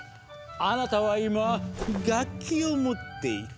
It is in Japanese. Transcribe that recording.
あなたは今楽器を持っている。